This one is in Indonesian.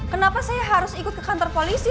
kenapa saya harus ikut ke kantor polisi